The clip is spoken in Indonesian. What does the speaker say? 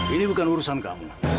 ini bukan urusan kamu